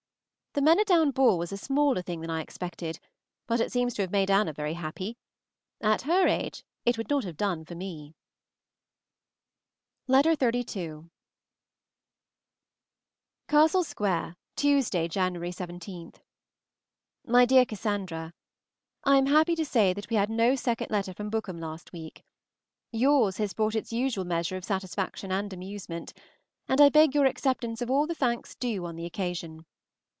The Manydown ball was a smaller thing than I expected, but it seems to have made Anna very happy. At her age it would not have done for me. Miss AUSTEN, EDWARD AUSTEN'S, Esq., Godmersham Park, Faversham, Kent. XXXII. CASTLE SQUARE, Tuesday (January 17). MY DEAR CASSANDRA, I am happy to say that we had no second letter from Bookham last week. Yours has brought its usual measure of satisfaction and amusement, and I beg your acceptance of all the thanks due on the occasion.